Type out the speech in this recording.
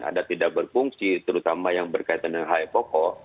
ada tidak berfungsi terutama yang berkaitan dengan hal pokok